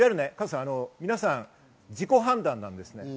皆さん自己判断なんです。